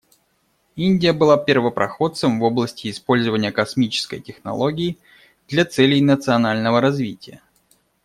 Индия была первопроходцем в области использования космической технологии для целей национального развития.